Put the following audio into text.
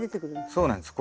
そうなんです。